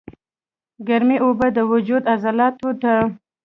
ګرمې اوبۀ د وجود عضلاتو ته